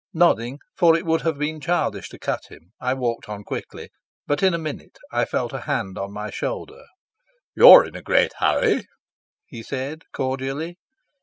Nodding, for it would have been childish to cut him, I walked on quickly; but in a minute I felt a hand on my shoulder. "You're in a great hurry," he said cordially.